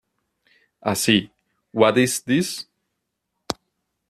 Así, What Is This?